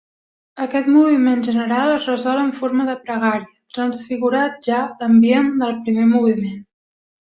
Aquest moviment general es resol en forma de pregària, transfigurat ja l'ambient del primer moviment.